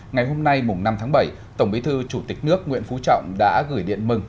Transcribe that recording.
ngày hôm nay năm tháng bảy tổng bí thư chủ tịch nước nguyễn phú trọng đã gửi điện mừng